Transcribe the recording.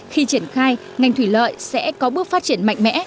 khi triển khai ngành thủy lợi sẽ có bước phát triển mạnh mẽ